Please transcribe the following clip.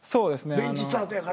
ベンチスタートやから。